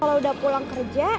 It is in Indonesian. kalau udah pulang kerja